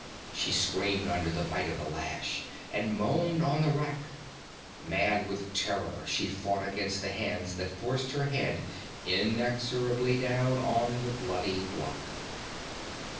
She screamed under the bite of the lash, and moaned on the rack; mad with terror she fought against the hands that forced her head inexorably down on the bloody block.